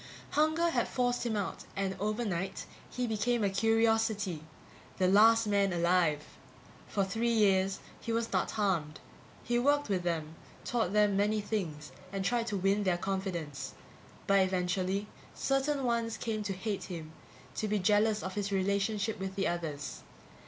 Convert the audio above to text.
Hunger had forced him out and overnight he became a curiosity. The last man alive. For three years he was not harmed. He worked with them, taught them many things, and tried to win their confidence. But, eventually, certain ones came to hate him, to be jealous of his relationship with the others.